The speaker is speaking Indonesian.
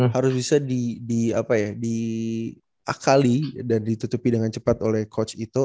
harus bisa diakali dan ditutupi dengan cepat oleh coach itu